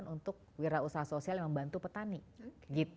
untuk wira usaha sosial yang membantu petani